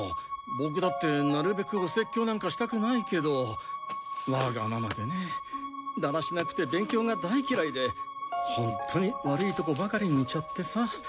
ボクだってなるべくお説教なんかしたくないけどわがままでねだらしなくて勉強が大嫌いでホントに悪いとこばかり似ちゃってさ。